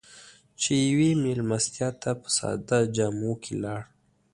چې يوې مېلمستیا ته په ساده جامو کې لاړ.